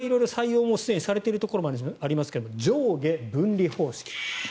３つ目これは採用されているところもありますが上下分離方式。